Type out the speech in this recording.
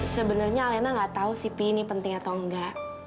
sebenernya alena gak tau si pih ini penting atau enggak